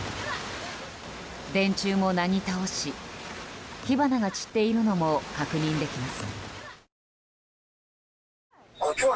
電柱もなぎ倒し火花が散っているのも確認できます。